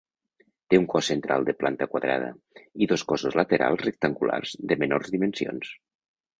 Té un cos central de planta quadrada, i dos cossos laterals rectangulars de menors dimensions.